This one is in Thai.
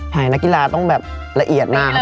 ใส่นักกีฬาต้องละเอียดมาก